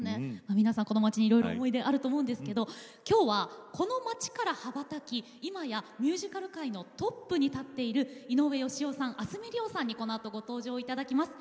皆さん、この街にいろいろ思い出あると思うんですけどきょうは、この街から羽ばたいていまやミュージカル界のトップを走るお二人井上芳雄さんと明日海りおさんにこのあと、ご登場いただきます。